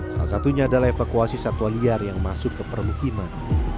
salah satunya adalah evakuasi satwa liar yang masuk ke permukiman